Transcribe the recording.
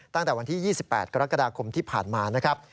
ตั้งแต่วันที่๒๘กรกฎาคมที่ผ่านมานะครับ